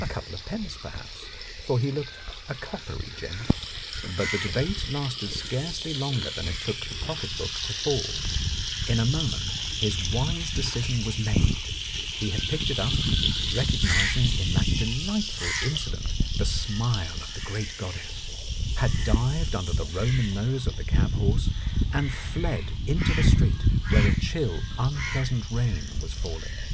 A couple of pence, perhaps, for he looked a coppery gent. But the debate lasted scarcely longer than it took the pocket book to fall ; in a moment his wise decision was made, he had picked it up (recognizing in that delightful incident the smile of the great goddess), had dived under the Roman nose of the cab horse, and fled into the street where a chill, unpleasant rain was falling.